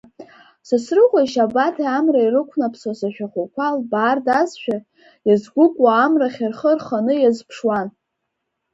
Сасрыҟәеи Шьабаҭи амра ирықәнаԥсоз ашәахәақәа лбаардазшәа, иазгәыкуа амрахь рхы рханы иазԥшуан.